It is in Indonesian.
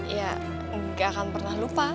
ya nggak akan pernah lupa